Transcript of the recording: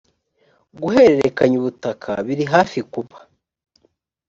guhererekanya ubutaka biri hafi kuba